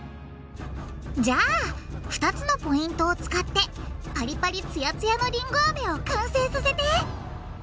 じゃあ２つのポイントを使ってパリパリつやつやのりんごアメを完成させて！